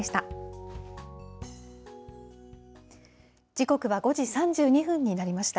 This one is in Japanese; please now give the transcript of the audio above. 時刻は５時３２分になりました。